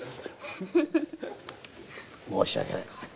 申し訳ない。